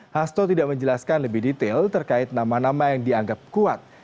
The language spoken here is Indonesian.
hasto tidak menjelaskan lebih detail terkait nama nama yang dianggap kuat